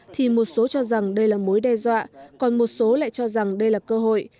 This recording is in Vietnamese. thì một số cho rằng đây là mối đe dọa còn một số lại cho rằng đây là cơ hội